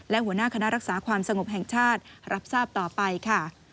และหัวหน้าคณะรักษาความสงบแห่งชาติรับทราบต่อไปค่ะ